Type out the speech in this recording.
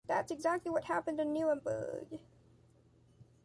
That’s exactly what happened in Nuremberg.